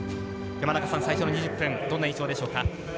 山中さん、最初の２０分どんな印象でしょうか？